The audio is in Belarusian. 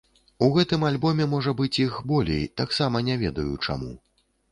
У гэтым альбоме, можа быць, іх болей, таксама не ведаю, чаму.